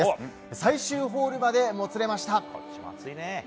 最終ホールまでもつれました。